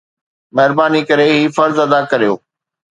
مهرباني ڪري هي فرض ادا ڪريو.